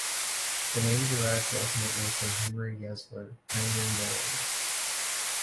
The name derives ultimately from Henry Yesler, pioneer mill owner.